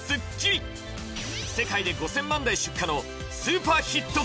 世界で５０００万台出荷のスーパーヒット